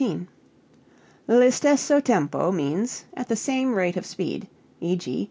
] 115. L'istesso tempo means at the same rate of speed. _E.g.